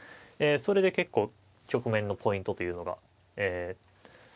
それで結構局面のポイントというのがえ